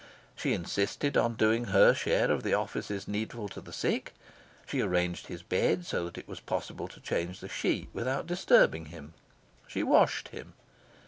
She insisted on doing her share of the offices needful to the sick. She arranged his bed so that it was possible to change the sheet without disturbing him. She washed him.